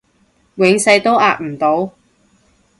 永世都壓唔到